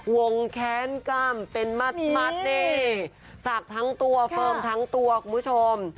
แค้นกล้ามเป็นมัดนี่สักทั้งตัวเฟิร์มทั้งตัวคุณผู้ชม